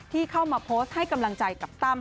ที่เข้ามาโพสต์ให้กำลังใจกับตั้ม